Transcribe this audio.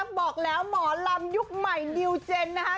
บอกแล้วหมอลำยุคใหม่นิวเจนนะคะ